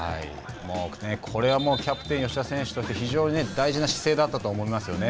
これはもうキャプテン吉田選手として非常に大事な姿勢だったと思いますよね。